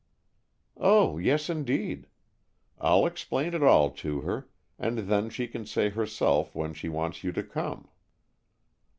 "Oh, yes, indeed. I'll explain it all to her, and then she can say herself when she wants you to come."